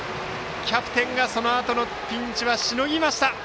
キャプテンがそのあとのピンチはしのぎました。